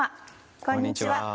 こんにちは。